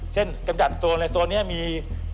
เช่นกำจัดโซนอะไรโซนเนี่ยมี